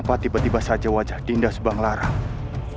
kau tidak bisa lari kemana mana lagi